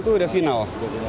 itu udah final